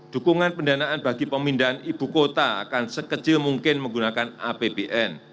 dukungan pendanaan bagi pemindahan ibu kota akan sekecil mungkin menggunakan apbn